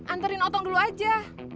antarin otong dulu aja